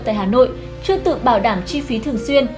tại hà nội chưa tự bảo đảm chi phí thường xuyên